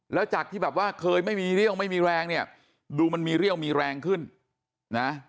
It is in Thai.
แล้วจากที่แบบว่าเคยไม่มีเรี่ยวไม่มีแรงเนี่ยดูมันมีเรี่ยวมีแรงขึ้นนะ